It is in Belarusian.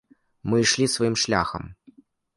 Мы ішлі сваім шляхам.